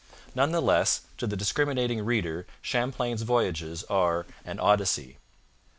None the less, to the discriminating reader Champlain's Voyages are an Odyssey.